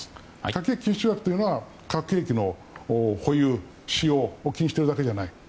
核兵器禁止条約というのは核兵器の保有・使用を禁止しているだけじゃない。